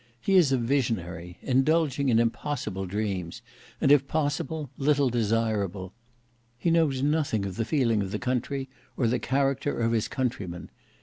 "He is a visionary, indulging in impossible dreams, and if possible, little desirable. He knows nothing of the feeling of the country or the character of his countrymen.